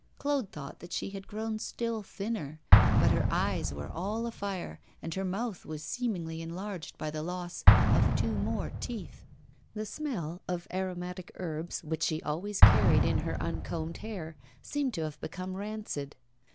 Claude thought that she had grown still thinner, but her eyes were all afire, and her mouth was seemingly enlarged by the loss of two more teeth. The smell of aromatic herbs which she always carried in her uncombed hair seemed to have become rancid.